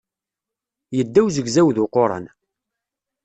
Yedda uzegzaw d uquran.